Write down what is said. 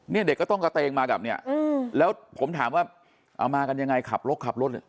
เด็กก็ต้องกระเตงมากับเนี่ยแล้วผมถามว่าเอามากันยังไงขับรถขับรถ